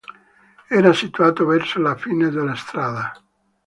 Era situato verso la fine della strada.